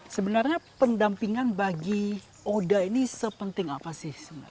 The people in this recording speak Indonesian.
sebenarnya pendampingan bagi oda ini sepenting apa sih sebenarnya